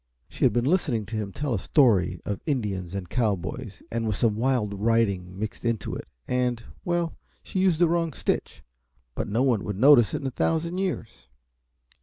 She had been listening to him tell a story of Indians and cowboys and with some wild riding mixed into it, and well, she used the wrong stitch, but no one would notice it in a thousand years.